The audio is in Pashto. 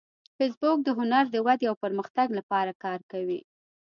فېسبوک د هنر د ودې او پرمختګ لپاره کار کوي